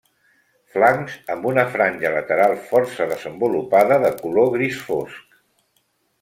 Flancs amb una franja lateral força desenvolupada de color gris fosc.